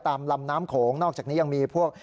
ลำน้ำโขงนอกจากนี้ยังมีพวก